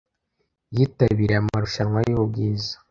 Yitabiriye amarushanwa yubwiza.